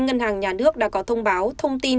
ngân hàng nhà nước đã có thông báo thông tin